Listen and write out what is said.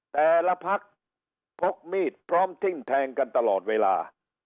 แต่ละพักพกมีดพร้อมทิ้งแทงกันตลอดเวลา